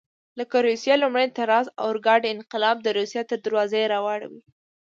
لکه د روسیې لومړي تزار اورګاډی انقلاب د روسیې تر دروازو راوړي.